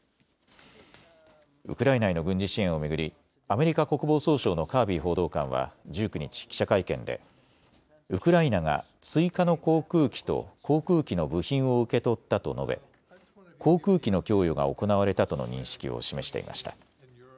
ウクライナへの軍事支援を巡りアメリカ国防総省のカービー報道官は１９日、記者会見でウクライナが追加の航空機と航空機の部品を受け取ったと述べ航空機の供与が行われたとの認識を示していました。